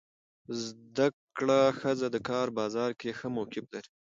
زده کړه ښځه د کار بازار کې ښه موقف لري.